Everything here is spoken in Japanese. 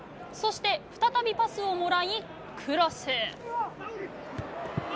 そして再びパスをもらい、クロス。